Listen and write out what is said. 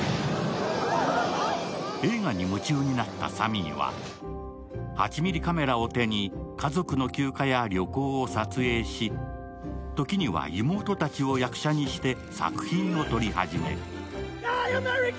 映画に夢中になったサミーは８ミリカメラを手に家族の休暇や旅行を撮影し時には妹たちを役者にして作品を撮り始める。